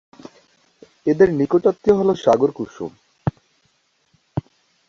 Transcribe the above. এদের নিকটাত্মীয় হল সাগর কুসুম।